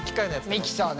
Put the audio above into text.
ミキサーね。